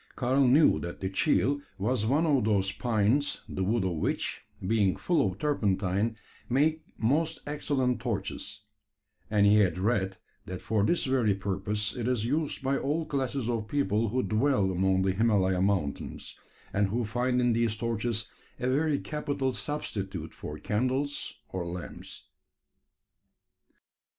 Karl knew that the "cheel" was one of those pines, the wood of which, being full of turpentine, make most excellent torches; and he had read, that for this very purpose it is used by all classes of people who dwell among the Himalaya mountains, and who find in these torches a very capital substitute for candles or lamps.